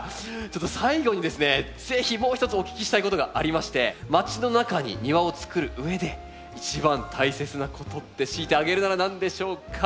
ちょっと最後にですね是非もう一つお聞きしたいことがありましてまちの中に庭をつくるうえで一番大切なことって強いて挙げるなら何でしょうか？